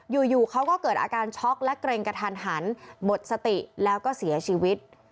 อยู่เขาก็เกิดอาการช็อกและเกรงกระทันหันหมดสติแล้วก็เสียชีวิต